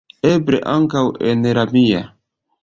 Eble, ankaŭ en la mia.